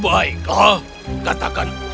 baiklah katakan keinginanmu dan kanji